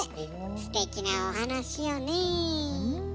すてきなお話よね。